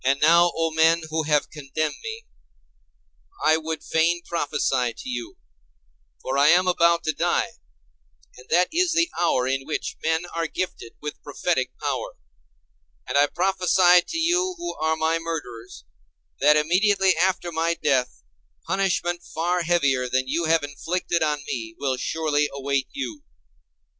And now, O men who have condemned me, I would fain prophesy to you; for I am about to die, and that is the hour in which men are gifted with prophetic power. And I prophesy to you who are my murderers, that immediately after my death punishment far heavier than you have inflicted on me will surely await you.